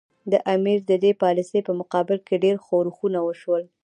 د امیر د دې پالیسي په مقابل کې ډېر ښورښونه وشول.